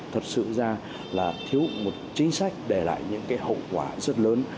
thật sự ra là thiếu một chính sách để lại những cái hậu quả rất lớn